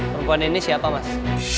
perempuan ini siapa mas